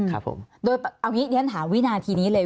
เอาอย่างนี้ถามวินาทีนี้เลย